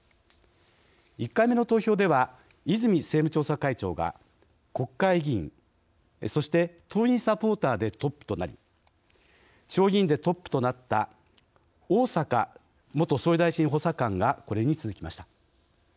１回目の投票では泉政務調査会長が、国会議員そして党員・サポーターでトップとなり地方議員でトップとなった逢坂元総理大臣補佐官がこれに続きました。